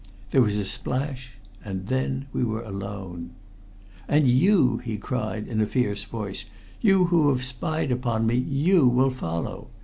There was a splash, and then we were alone. 'And you!' he cried in a fierce voice 'you who have spied upon me you will follow!